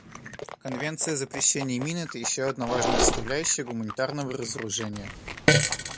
Конвенция о запрещении мин — это еще одна важная составляющая гуманитарного разоружения.